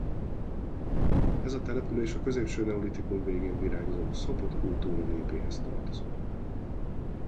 Ez a település a középső neolitikun végén virágzó Sopot-kultúra népéhez tartozott.